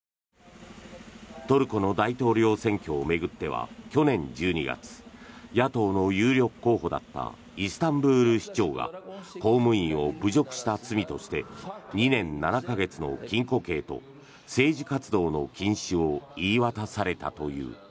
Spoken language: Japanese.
トルコの大統領選挙を巡っては去年１２月野党の有力候補だったイスタンブール市長が公務員を侮辱した罪として２年７か月の禁錮刑と政治活動の禁止を言い渡されたという。